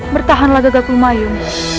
bertahanlah gagak rumah yuk